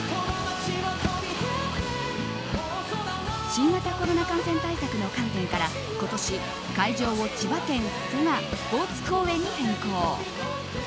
新型コロナ感染対策の観点から今年、会場を千葉県、蘇我スポーツ公園に変更。